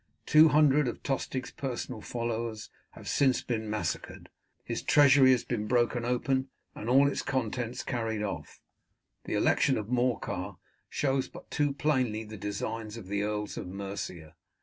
Two hundred of Tostig's personal followers have since been massacred; his treasury has been broken open, and all its contents carried off. The election of Morcar shows but too plainly the designs of the earls of Mercia.